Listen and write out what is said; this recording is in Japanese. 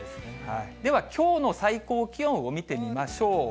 では、きょうの最高気温を見てみましょう。